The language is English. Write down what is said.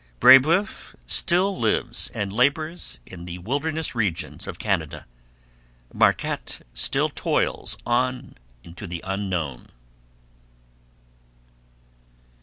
Brebeuf still lives and labours in the wilderness regions of Canada; Marquette still toils on into the unknown.